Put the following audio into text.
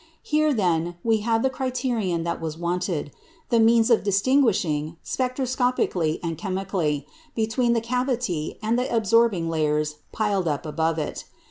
Here then we have the criterion that was wanted the means of distinguishing, spectroscopically and chemically, between the cavity and the absorbing layers piled up above it.